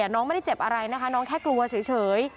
น้องไม่ได้เจ็บอะไรนะคะน้องแค่กลัวเฉย